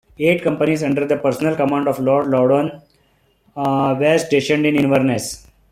Eight companies, under the personal command of Lord Loudoun, were stationed in Inverness.